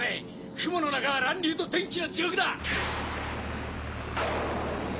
雲の中は乱流と電気の地獄だ！